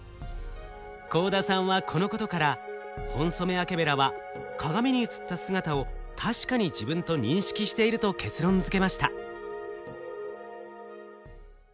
幸田さんはこのことからホンソメワケベラは鏡に映った姿を確かに自分と認識していると結論づけました。